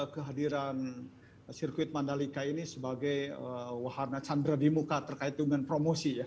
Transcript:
kehadiran sirkuit mandalika ini sebagai wahana chandra di muka terkait dengan promosi ya